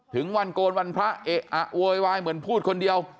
ถึงวันโกนวันพระเอะอะโวยวายเหมือนพูดคนเดียว